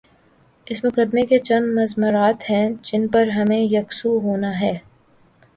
اس مقدمے کے چند مضمرات ہیں جن پر ہمیں یک سو ہونا ہے۔